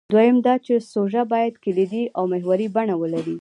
دویم دا چې سوژه باید کلیدي او محوري بڼه ولري.